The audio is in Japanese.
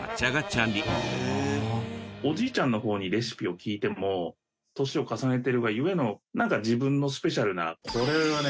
おじいちゃんの方にレシピを聞いても年を重ねてるがゆえのなんか自分のスペシャルなこれはね